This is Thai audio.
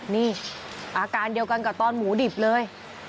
นี่อาการเดียวกันกับตอนหมูดิบเลย